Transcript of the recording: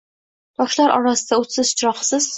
Toshlar orasida o’tsiz, chiroqsiz.